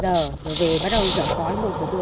một mươi hai giờ rồi về bắt đầu chở cõi một hai ba bốn